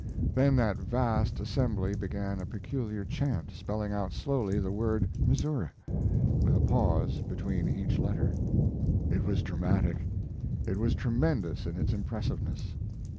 Then that vast assembly began a peculiar chant, spelling out slowly the word Missouri, with a pause between each letter. It was dramatic; it was tremendous in its impressiveness.